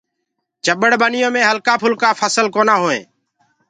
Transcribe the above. چٻڙ ڀنيو مي هلڪآ گلڪآ ڦسل ڪونآ هوئينٚ۔